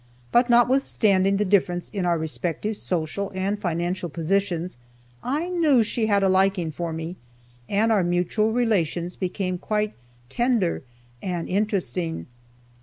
But notwithstanding the difference in our respective social and financial positions, I knew that she had a liking for me, and our mutual relations became quite "tender" and interesting.